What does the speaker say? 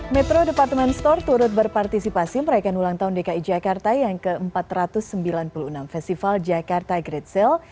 metro departemen store turut berpartisipasi merayakan ulang tahun dki jakarta yang ke empat ratus sembilan puluh enam festival jakarta great sale